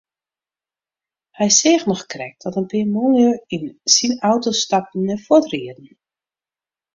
Hy seach noch krekt dat in pear manlju yn syn auto stapten en fuortrieden.